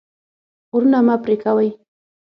غرونه مه پرې کوئ.